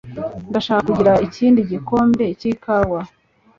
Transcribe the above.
Ndashaka kugira ikindi gikombe cy'ikawa